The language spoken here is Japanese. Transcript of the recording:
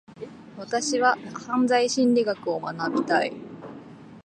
私は犯罪心理学を学びたい。